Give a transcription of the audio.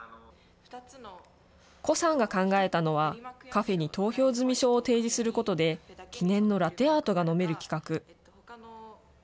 コさんが考えたのは、カフェに投票済証を提示することで、記念のラテアートが飲める企画。